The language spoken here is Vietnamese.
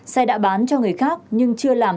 xe đã bán cho người khác nhưng chưa làm